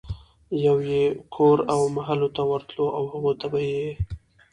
يو يو کور او محلې ته ورتلو او هغوی ته به ئي